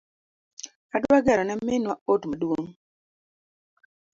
Adwa gero ne minwa ot maduong